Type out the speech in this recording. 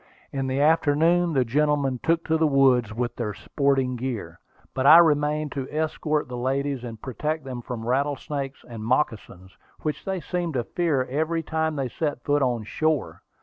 In the afternoon the gentlemen took to the woods with their sporting gear, but I remained to escort the ladies and protect them from rattlesnakes and moccasins, which they seemed to fear every time they set foot on shore.